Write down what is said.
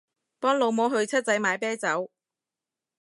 幫老母去七仔買啤酒